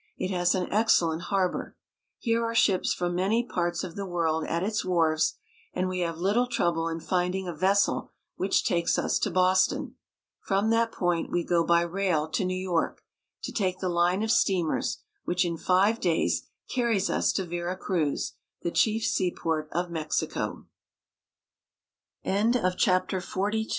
It has an excellent harbor. Here are ships from many parts of the world at its wharves, and we have little trouble in finding a vessel which takes us to Boston. From that point we go by rail to New York, to take the line of steamers which, in five days, carries us to